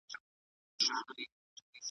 ميوې د زهشوم له خوا خوړل کيږي،